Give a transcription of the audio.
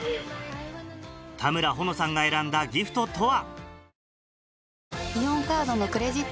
田村保乃さんが選んだギフトとは？